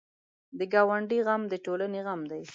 د ګاونډي غم د ټولنې غم دی